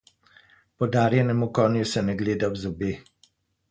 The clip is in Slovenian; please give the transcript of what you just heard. Podarjenemu konju se ne gleda v zobe.